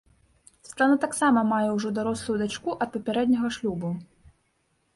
Святлана таксама мае ўжо дарослую дачку ад папярэдняга шлюбу.